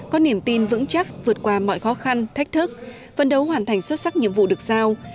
có niềm tin vững chắc vượt qua mọi khó khăn thách thức phân đấu hoàn thành xuất sắc nhiệm vụ được giao